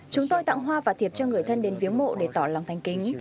chúng tôi tặng hoa và thiệp cho người thân đến viếng mộ để tỏ lòng thành kính